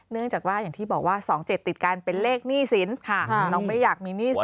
เนื่องจากว่าอย่างที่บอกว่า๒๗ติดกันเป็นเลขหนี้สินน้องไม่อยากมีหนี้สิน